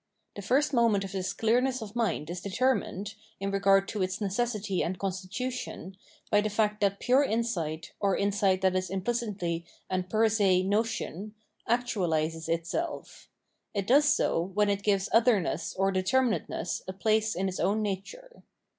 The first moment of this clearness of mind is determined, in regard to its necessity and constitution, by the fact that pure insight, or insight that is implicitly and per se notion, actualises itself ; it does so when it gives otherness or determinateness a place in its own nature.